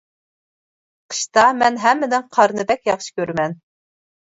قىشتا مەن ھەممىدىن قارنى بەك ياخشى كۆرىمەن.